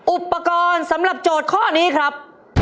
อุปกรณ์สำหรับโจทย์ข้อนี้ครับ